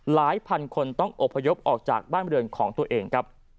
หลายพันคนต้องอบพยพออกจากบ้านบริเวณของตัวเองครับ